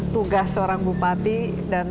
tugas seorang bupati dan